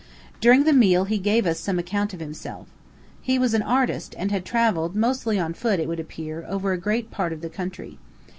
During the meal he gave us some account of himself. He was an artist and had traveled, mostly on foot it would appear, over a great part of the country.